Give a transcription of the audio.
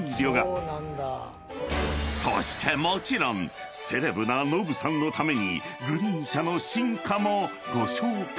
［そしてもちろんセレブなノブさんのためにグリーン車の進化もご紹介］